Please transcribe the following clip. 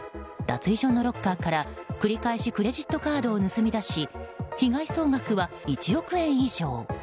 脱衣所のロッカーから繰り返しクレジットカードを盗み出し被害総額は１億円以上。